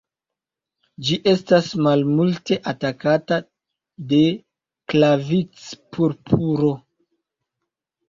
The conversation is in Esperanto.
Ĝi estas malmulte atakata de "Claviceps purpurea".